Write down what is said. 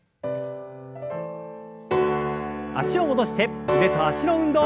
脚を戻して腕と脚の運動。